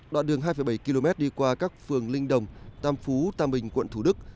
đoạn đường hai bảy km đi qua các phường linh đồng tam phú tam bình quận thủ đức